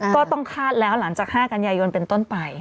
ก็ต้องคาดแล้วหลังจาก๕กันยายนเป็นต้นไป